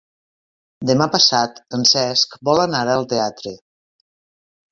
Demà passat en Cesc vol anar al teatre.